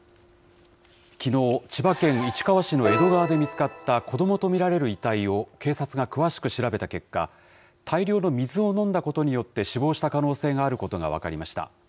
きのう、千葉県市川市の江戸川で見つかった、子どもと見られる遺体を警察が詳しく調べた結果、大量の水を飲んだことによって死亡した可能性があることが分かりました。